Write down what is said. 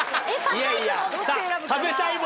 いやいや。